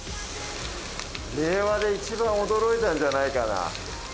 令和で一番驚いたんじゃないかな。